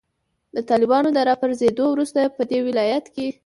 د طالبانو د راپرزیدو وروسته پدې ولایت کې